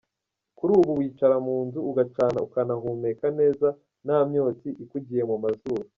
Kuri ubu wicara mu nzu ugacana ukanahumeka neza nta myotsi ikugiye mu mazuru.